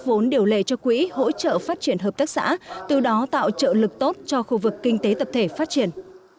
vốn điều lệ cho quỹ hỗ trợ phát triển hợp tác xã từ đó tạo trợ lực tốt cho khu vực kinh tế tập thể phát triển